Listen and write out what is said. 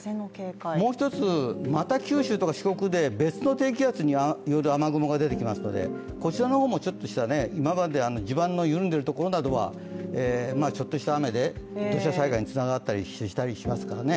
もう一つ、また九州とか四国で別の低気圧による雨雲が出てきますのでこちらの方もちょっとした、今まで地盤の緩んでいるところなどはちょっとした雨で、土砂災害につながったりしますからね。